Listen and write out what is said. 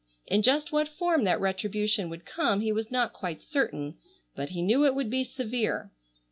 In just what form that retribution would come he was not quite certain, but he knew it would be severe.